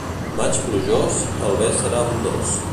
Maig plujós, el bé serà abundós.